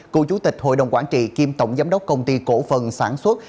cựu chủ tịch hội đồng quản trị kiêm tổng giám đốc công ty cổ phần sản xuất